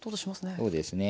そうですね。